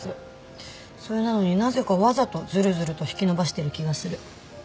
それなのになぜかわざとずるずると引き延ばしてる気がする。